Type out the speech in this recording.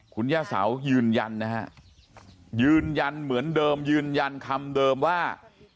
คุณย่าเสายืนยันนะฮะยืนยันเหมือนเดิมยืนยันคำเดิมว่า